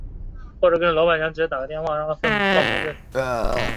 此临朔宫和北苑即隋炀帝在涿郡的离宫兼远征高丽大本营。